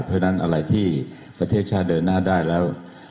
เพราะฉะนั้นอะไรที่ประเทศชาติเดินหน้าได้แล้ว